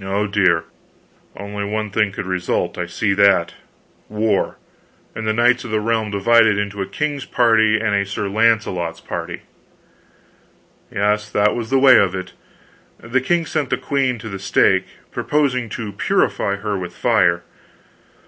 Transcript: "Oh, dear, only one thing could result I see that. War, and the knights of the realm divided into a king's party and a Sir Launcelot's party." "Yes that was the way of it. The king sent the queen to the stake, proposing to purify her with fire.